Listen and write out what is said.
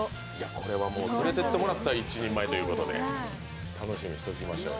これは連れていってもらったら一人前ということで、楽しみにしておきましょう。